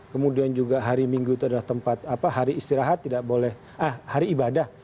kemudian juga hari minggu itu adalah tempat hari istirahat tidak boleh hari ibadah